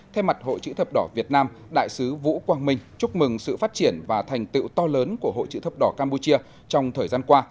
thay mặt hội chữ thập đỏ việt nam đại sứ vũ quang minh chúc mừng sự phát triển và thành tựu to lớn của hội chữ thập đỏ campuchia trong thời gian qua